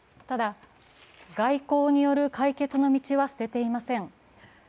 ただ、外交による解決の道は捨てていません。